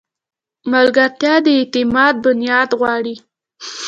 ملګرتیا د اعتماد بنیاد غواړي.